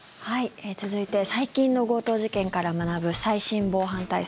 続いて最近の強盗事件から学ぶ最新防犯対策。